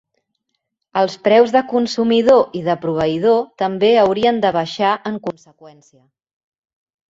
Els preus de consumidor i de proveïdor també haurien de baixar en conseqüència.